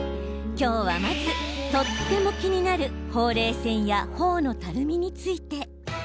今日は、まずとっても気になるほうれい線やほおのたるみについて。